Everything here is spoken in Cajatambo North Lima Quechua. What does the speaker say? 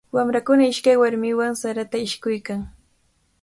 Wamrakuna ishkay warmiwan sarata ishkuykan.